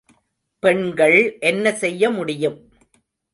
பெண்கள் என்ன செய்ய முடியும்?